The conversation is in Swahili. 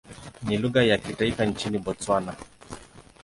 Ni lugha ya taifa nchini Botswana.